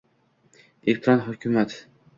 elektron hukumat